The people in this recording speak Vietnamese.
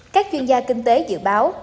các chuyên gia kinh tế dự báo